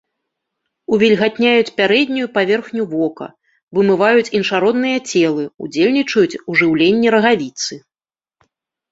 Увільгатняюць пярэднюю паверхню вока, вымываюць іншародныя целы, удзельнічаюць у жыўленні рагавіцы.